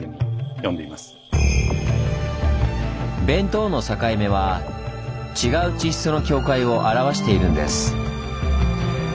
弁当の境目は違う地質の境界を表しているんです。